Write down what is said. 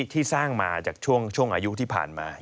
ที่สร้างมาจากช่วงอายุที่ผ่านมา